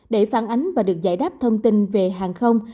để phản ánh và được giải đáp thông tin về hàng không